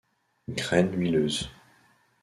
Graine huileuse.